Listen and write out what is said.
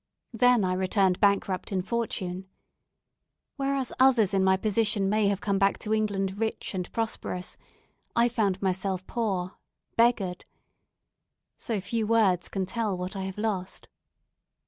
Then I returned bankrupt in fortune. Whereas others in my position may have come back to England rich and prosperous, I found myself poor beggared. So few words can tell what I have lost.